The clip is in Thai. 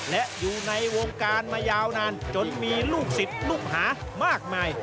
และอยู่ในวงการมายาวนานจนมีลูกศิษย์ลูกหามากมาย